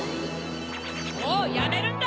もうやめるんだ！